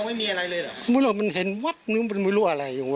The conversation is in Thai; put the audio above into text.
ไม่มีอะไรเลยไม่รู้หรอกมันเห็นวับนึงมันไม่รู้อะไรอย่างงี